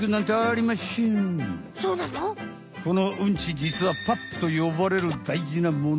じつはパップとよばれるだいじなもの。